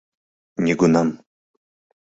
Нигунам!